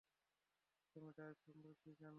তুমি ড্রাইভ সম্পর্কে কি জানো।